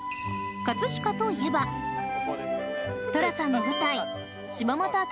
飾と言えば寅さんの舞台